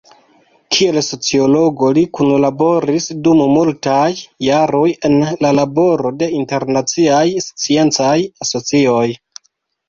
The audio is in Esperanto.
Kiel sociologo, li kunlaboris dum multaj jaroj en la laboro de internaciaj sciencaj asocioj.